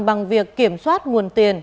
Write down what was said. bằng việc kiểm soát nguồn tiền